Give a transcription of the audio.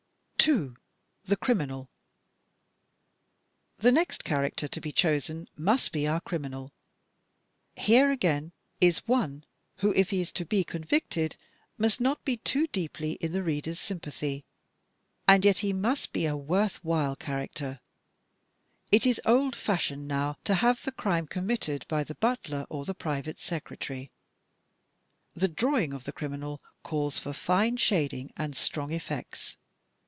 2. The Criminal The next character to be chosen must be our criminal. Here again is one, who, if he is to be convicted, must not be too deeply in the reader's sympathy. And yet he must be a worth while character; it is old fashioned, now, to have the crime committed by the butler or the private secretary. The drawing of the criminal calls for fine shading and strong effects.